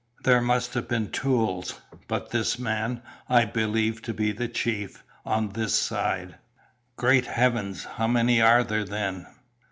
There must have been tools, but this man I believe to be the chief, on this side." "Great heavens! How many are there, then?"